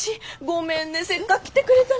ごめんねせっかく来てくれたのにね。